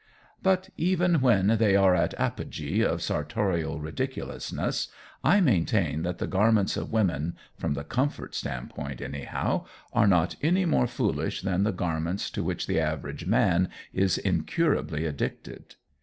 But even when they are at apogee of sartorial ridiculousness I maintain that the garments of women, from the comfort standpoint, anyhow, are not any more foolish than the garments to which the average man is incurably addicted.